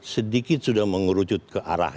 sedikit sudah mengerucut ke arah